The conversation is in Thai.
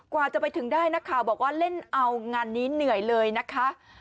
กว่าจะไปถึงได้นักข่าวบอกว่าเล่นเอางานนี้เหนื่อยเลยนะคะ